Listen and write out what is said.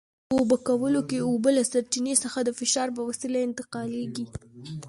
په څاڅکو اوبه کولو کې اوبه له سرچینې څخه د فشار په وسیله انتقالېږي.